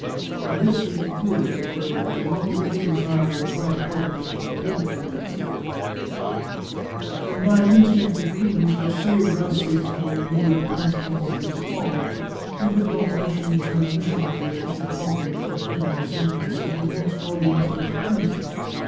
From this he concluded that there was no longer any desire in high quarters to get rid of Fabrizio, and by an instinct of prudence which saved Rassi from the immediate consequences of his folly, he did not mention the transmission of the official copy of the prisoner's sentence at his next audience with the prince.